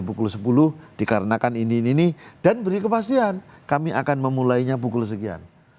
kami tidak dapat memulai pukul sepuluh dikarenakan ini ini ini dan beri kepastian kami akan memulainya pukul sekian